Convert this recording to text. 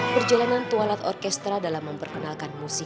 perjalanan twilight orchestra dalam memperkenalkan musik